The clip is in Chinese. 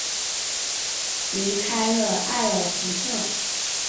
离开了艾尔福特。